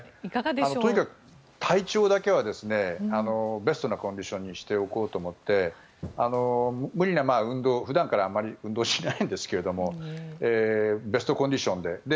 とにかく体調だけはベストなコンディションにしておこうと思って無理な運動普段からあまり運動しないんですけどベストコンディションで。